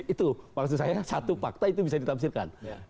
itu maksud saya satu fakta itu bisa ditafsirkan